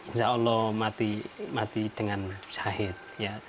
insya allah mati dengan sahid